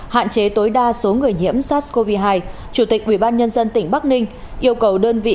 hạn chế tối đa số người nhiễm sars cov hai chủ tịch ubnd tỉnh bắc ninh yêu cầu đơn vị